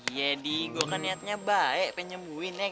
iya di gue kan niatnya baik pengen nyembuhin ya kan